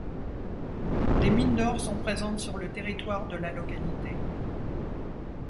Des mines d'or sont présentes sur le territoire de la localité.